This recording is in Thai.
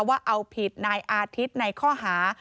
ว่าเอาผิดนายอาทิตย์ในข้อหา